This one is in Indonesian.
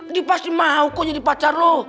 dia pasti mau kok jadi pacar loh